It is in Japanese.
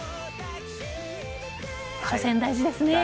初戦、大事ですね。